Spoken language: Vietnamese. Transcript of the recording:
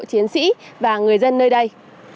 chiến sĩ và người dân nơi đây